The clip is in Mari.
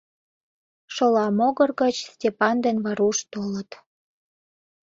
Шола могыр гыч Степан ден Варуш толыт.